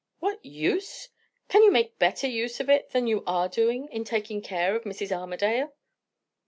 "What use? Can you make better use of it than you are doing, in taking care of Mrs. Armadale?"